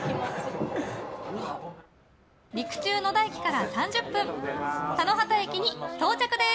陸中野田駅から３０分田野畑駅に到着です。